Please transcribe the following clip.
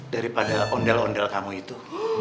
daripada ondel ondel kamu itu